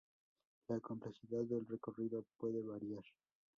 La complejidad del recorrido puede variar.